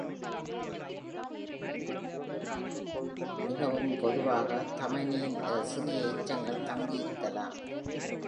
மிகவும் பொதுவாக, தமனியின் சிறிய எச்சங்கள் தங்கி இருக்கலாம்.